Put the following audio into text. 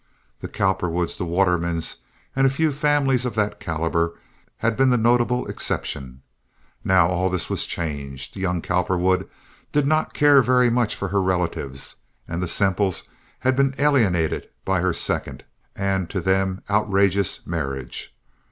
The Cowperwoods, the Watermans, and a few families of that caliber, had been the notable exceptions. Now all this was changed. Young Cowperwood did not care very much for her relatives, and the Semples had been alienated by her second, and to them outrageous, marriage.